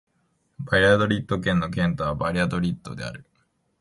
バリャドリッド県の県都はバリャドリッドである